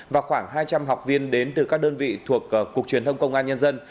và khoảng hai trăm linh học viên đến từ các đơn vị thuộc cục truyền thông công an nhân dân